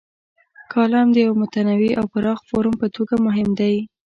کالم د یوه متنوع او پراخ فورم په توګه مهم دی.